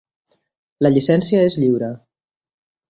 La llicència és lliure.